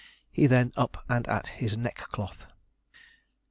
He then up and at his neckcloth.